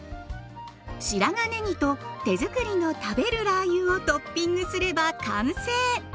白髪ねぎと手づくりの食べるラー油をトッピングすれば完成。